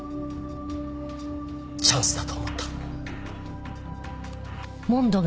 チャンスだと思った。